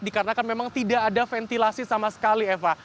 dikarenakan memang tidak ada ventilasi sama sekali eva